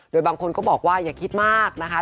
โดยบางคนก็บอกว่าอย่าคิดมากนะคะ